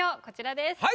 こちらです。